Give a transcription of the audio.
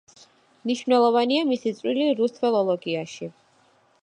მნიშვნელოვანია მისი წვლილი რუსთველოლოგიაში.